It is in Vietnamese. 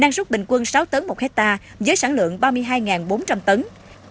năng suất bình quân sáu tấn một hectare với sản lượng ba mươi hai bốn trăm linh tấn